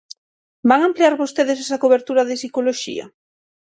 ¿Van ampliar vostedes esa cobertura de psicoloxía?